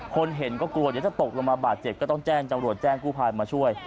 คนเห็นก็กลัวเดี๋ยวจะตกลงมาบาดเจ็บก็ต้องแจ้งจำรวจแจ้งกู้ภัยมาช่วย